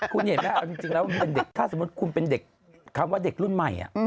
คุณเห็นไหมเอาจริงแล้วถ้าสมมุติคุณเป็นเด็กคำว่าเด็กรุ่นใหม่